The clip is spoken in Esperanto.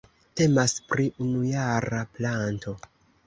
Temas pri unujara planto.